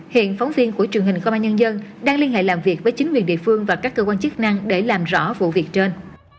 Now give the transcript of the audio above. hiện phóng viên của truyền hình công an nhân dân đang liên hệ làm việc với chính quyền địa phương và các cơ quan chức năng để làm rõ vụ việc trên